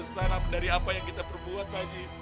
lagi nerima balesan dari apa yang kita perbuat pak haji